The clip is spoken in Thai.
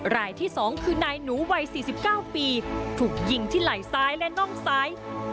รายที่๒คือนายหนูวัย๔๙ปีถูกยิงที่ไหล่ซ้ายและน่องซ้าย